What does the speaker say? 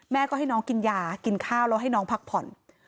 ก็ให้น้องกินยากินข้าวแล้วให้น้องพักผ่อน